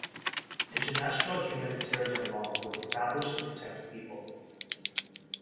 International humanitarian law was established to protect the people.